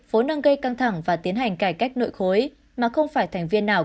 vốn đang gây căng thẳng và tiến hành cải cách nội khối mà không phải thành viên nào